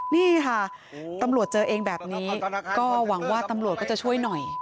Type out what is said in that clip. นี่ค่ะตำรวจเจอเองแบบนี้ก็หวังว่าตำรวจก็จะช่วยหน่อย